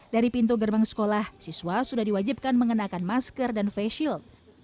dari pintu gerbang sekolah siswa sudah diwajibkan mengenakan masker dan face shield